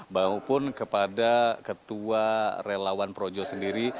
maupun kepada ketua relawan projo sendiri